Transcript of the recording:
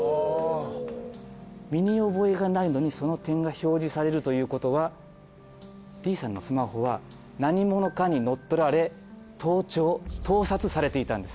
身に覚えがないのにその点が表示されるということはＤさんのスマホは何者かに乗っ取られ盗聴盗撮されていたんです。